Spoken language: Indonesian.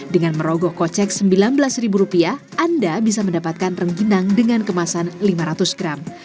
dengan merogoh kocek rp sembilan belas anda bisa mendapatkan rengginang dengan kemasan lima ratus gram